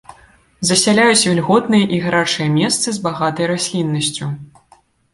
Засяляюць вільготныя і гарачыя месцы з багатай расліннасцю.